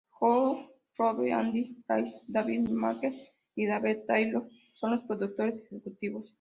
Jo Rooney, Andy Ryan, Playmaker’s David Maher y David Taylor son los productores ejecutivos.